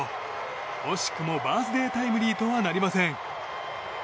惜しくもバースデータイムリーとはなりません。